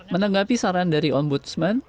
menanggapi saran dari ombudsman